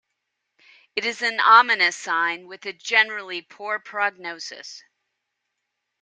It is an ominous sign, with a generally poor prognosis.